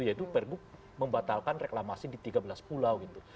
yaitu pergub membatalkan reklamasi di tiga belas pulau gitu